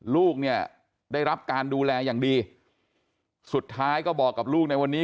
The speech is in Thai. ลูกเนี่ยได้รับการดูแลอย่างดีสุดท้ายก็บอกกับลูกในวันนี้